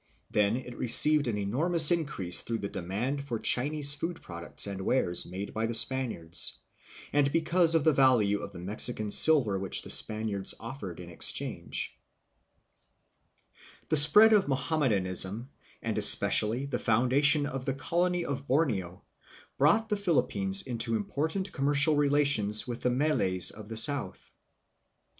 Then it received an enormous increase through the demand for Chinese food products and wares made by the Spaniards, and because of the value of the Mexican silver which the Spaniards offered in exchange. Trade with the Moro Malays of the South. The spread of Mohammedanism and especially the foundation of the colony of Borneo brought the Philippines into important commercial relations with the Malays of the south.